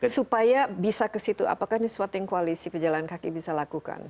supaya bisa ke situ apakah ini sesuatu yang koalisi pejalan kaki bisa lakukan